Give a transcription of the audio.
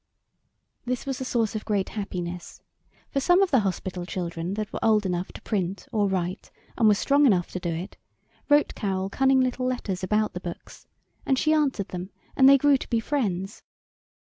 This was a source of great happiness; for some of the Hospital children that were old enough to print or write, and were strong enough to do it, wrote Carol cunning little letters about the books, and she answered them, and they grew to be friends.